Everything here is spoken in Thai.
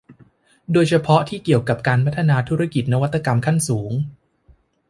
โดยเฉพาะที่เกี่ยวกับการพัฒนาธุรกิจนวัตกรรมขั้นสูง